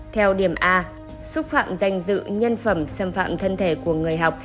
theo điểm a xúc phạm danh dự nhân phẩm xâm phạm thân thể của người học